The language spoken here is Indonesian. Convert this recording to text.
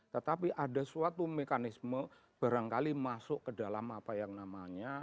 tetapi ada suatu mekanisme barangkali masuk ke dalam apa yang namanya